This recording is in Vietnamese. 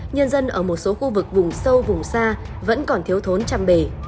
nhân dân ở một số khu vực vùng sâu vùng xa vẫn còn thiếu thốn chăm bể